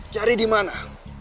cari di mana